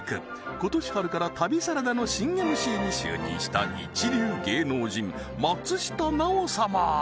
今年春から旅サラダの新ＭＣに就任した一流芸能人松下奈緒様